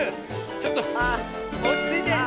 ちょっとおちついて。